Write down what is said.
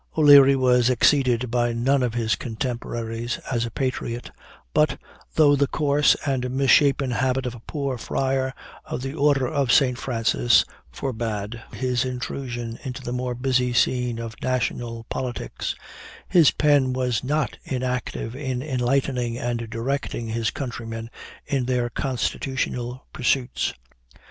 O'Leary was exceeded by none of his contemporaries as a patriot: but, though the coarse and misshapen habit of a poor friar of the order of St. Francis forebade his intrusion into the more busy scene of national politics, his pen was not inactive in enlightening and directing his countrymen in their constitutional pursuits.